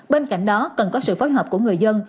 bên cạnh đó cần có sự phối hợp của người dân